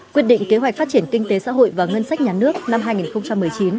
quyết định kế hoạch phát triển kinh tế xã hội và ngân sách nhà nước năm hai nghìn một mươi chín